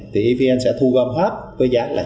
thì evn sẽ thu gom hết với giá là